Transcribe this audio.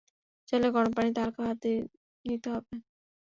চাইলে গরম পানিতে হালকা ভাপ দিয়ে নিতে হবে।